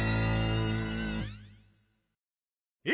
え